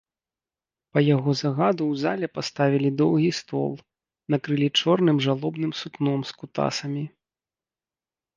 Па яго загаду ў зале паставілі доўгі стол, накрылі чорным жалобным сукном з кутасамі.